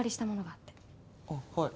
あっはい。